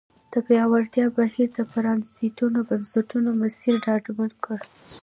د پیاوړتیا بهیر د پرانیستو بنسټونو مسیر ډاډمن کړ.